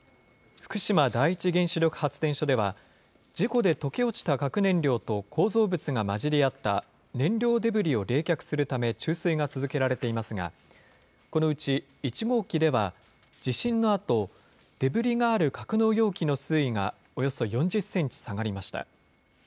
福島第一原子力発電所では、事故で溶け落ちた核燃料と構造物が混じり合った燃料デブリを冷却するため注水が続けられていますが、このうち、１号機では地震のあとデブリがある格納容器の水位がおよそ４０センチ下がりました。